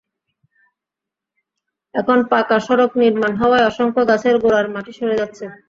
এখন পাকা সড়ক নির্মাণ হওয়ায় অসংখ্য গাছের গোড়ার মাটি সরে যাচ্ছে।